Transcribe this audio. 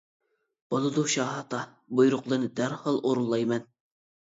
بولىدۇ شاھ ئاتا، بۇيرۇقلىرىنى دەرھال ئورۇنلايمەن.